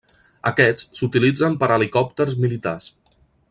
Aquests s'utilitzen per a helicòpters militars.